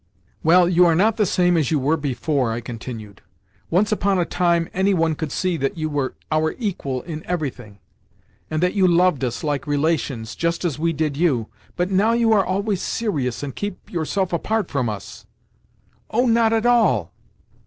"Well, you are not the same as you were before," I continued. "Once upon a time any one could see that you were our equal in everything, and that you loved us like relations, just as we did you; but now you are always serious, and keep yourself apart from us." "Oh, not at all."